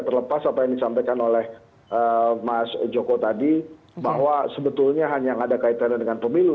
terlepas apa yang disampaikan oleh mas joko tadi bahwa sebetulnya hanya ada kaitannya dengan pemilu